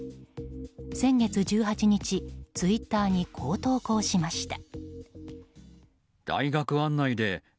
先月１８日、ツイッターにこう投稿しました。